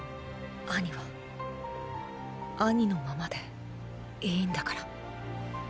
アニはアニのままでいいんだから。